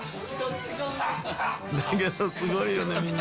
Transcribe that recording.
すごいよねみんな。